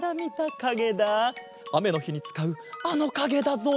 あめのひにつかうあのかげだぞ。